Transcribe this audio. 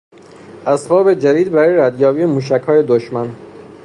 اسباب جدید برای ردیابی موشک های دشمن